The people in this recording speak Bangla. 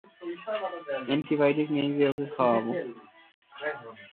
এন্টিবায়োটিক নেই যে ওকে খাওয়াবো।